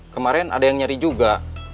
kemarin ada yang nyari juga